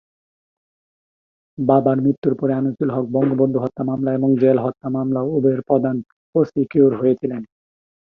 বাবার মৃত্যুর পরে আনিসুল হক বঙ্গবন্ধু হত্যা মামলা এবং জেল হত্যা মামলা উভয়ের প্রধান প্রসিকিউটর হয়েছিলেন।